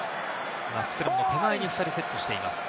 スクラムの手前に２人セットしています。